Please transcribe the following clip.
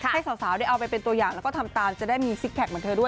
ให้สาวได้เอาไปเป็นตัวอย่างแล้วก็ทำตามจะได้มีซิกแพคเหมือนเธอด้วย